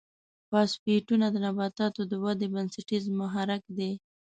فاسفیټونه د نباتاتو د ودې بنسټیز محرک دی.